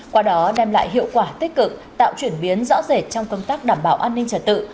qua đó đem lại hiệu quả tích cực tạo chuyển biến rõ rệt trong công tác đảm bảo an ninh trật tự